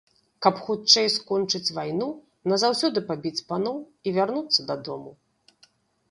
Каб хутчэй скончыць вайну, назаўсёды пабіць паноў і вярнуцца дадому.